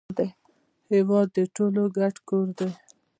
هیواد د ټولو ګډ کور دی